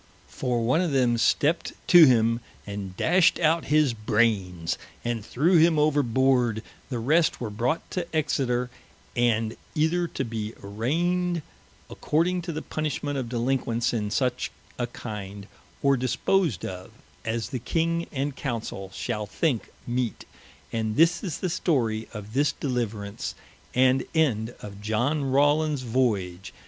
For one of them stepped to him, and dasht out his braines, and threw him over boord: the rest were brought to Excester, and either to be arraigned, according to the punishment of delinquents in such a kind, or disposed of, as the King and Counsell shall thinke meet and this is the story of this deliverance, and end of Iohn Rawlins Voyage.